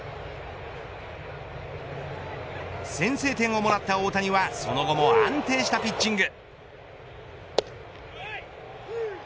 先制点をもらった大谷はその後も安定したピッチング。